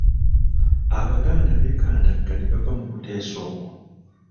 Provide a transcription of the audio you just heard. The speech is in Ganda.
Abaganda bekandagga ne bava mu kuteesa okwo.